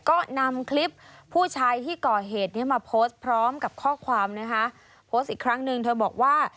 ก็นำคลิปผู้ชายที่ก่อเหตุเนี้ยมาโพสต์พร้อมกับข้อความนะคะโพสต์อีกครั้งหนึ่งเธอบอกว่า